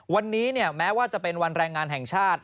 วันนี้แม้ว่าจะเป็นวันแรงงานแห่งชาติ